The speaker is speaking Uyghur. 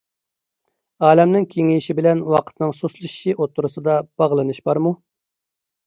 ئالەمنىڭ كېڭىيىشى بىلەن ۋاقىتنىڭ سۇسلىشىشى ئوتتۇرىسىدا باغلىنىش بارمۇ؟